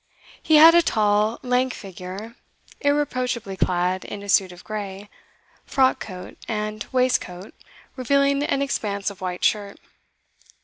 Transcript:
He had a tall, lank figure, irreproachably clad in a suit of grey: frock coat, and waistcoat revealing an expanse of white shirt.